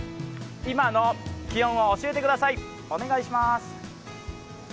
今の気温を教えてください。